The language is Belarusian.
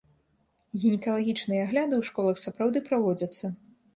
Гінекалагічныя агляды ў школах сапраўды праводзяцца.